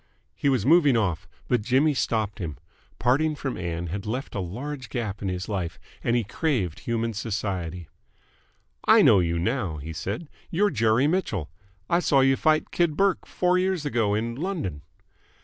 He was moving off, but Jimmy stopped him. Parting from Ann had left a large gap in his life, and he craved human society. "I know you now," he said. "You're Jerry Mitchell. I saw you fight Kid Burke four years ago in London."